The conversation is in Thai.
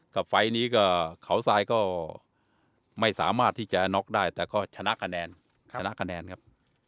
ไฟล์นี้ก็เขาทรายก็ไม่สามารถที่จะน็อกได้แต่ก็ชนะคะแนนชนะคะแนนครับ